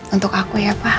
untuk aku ya pak